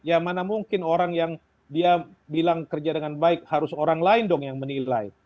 ya mana mungkin orang yang dia bilang kerja dengan baik harus orang lain dong yang menilai